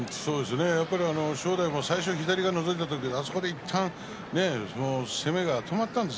正代は最初、左がのぞいた時あそこでいったん攻めが止まったんです。